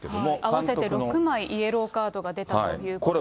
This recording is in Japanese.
合わせて６枚イエローカードが出たということですね。